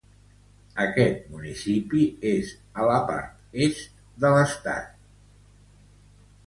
Aquest municipi és a la part est de l'estat de Tlaxcala.